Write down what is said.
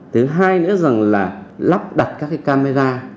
thứ hai nữa là lắp đặt các camera